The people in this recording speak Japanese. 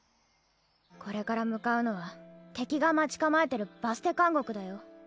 これから向かうのは敵が待ち構えてるバステ監獄だよ。